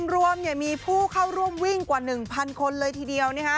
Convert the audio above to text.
รวมมีผู้เข้าร่วมวิ่งกว่า๑๐๐คนเลยทีเดียว